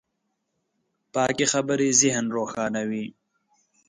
پاکې خبرې ذهن روښانوي.